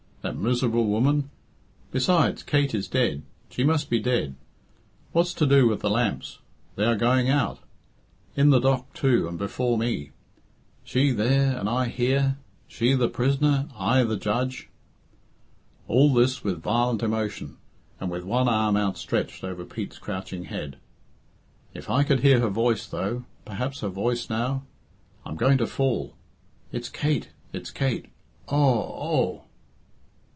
that miserable woman! besides, Kate is dead she must be dead what's to do with the lamps? they are going out in the dock, too, and before me she there and I here! she the prisoner, I the judge!" All this with violent emotion, and with one arm outstretched over Pete's crouching head. "If I could hear her voice, though perhaps her voice now I'm going to fall it's Kate, it's Kate! Oh! oh!"